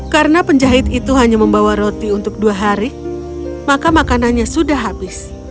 karena penjahit itu hanya membawa roti untuk dua hari maka makanannya sudah habis